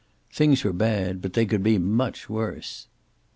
Things were bad, but they could be much worse.